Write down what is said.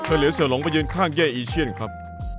เธอเหลือเสือหลงไปเอิญข้างเยอะอีเชี่ยนครับ